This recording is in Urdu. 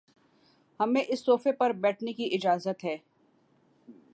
ہمیں اس صوفے پر بیٹھنے کی اجازت ہے